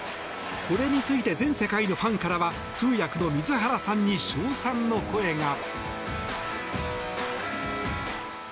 これについて全世界のファンからは通訳の水原さんに称賛の声が。